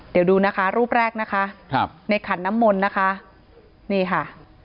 เดี๋ยวดูนะคะรูปแรกนะคะครับในขันน้ำมนต์นะคะนี่ค่ะ